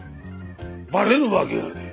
バレるわけがねえ。